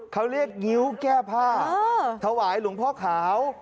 เขาเรียกงิ้วแก้ผ้าถวายหลวงพ่อขาว